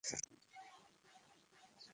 তোমার হৃদয়টা পরিষ্কার।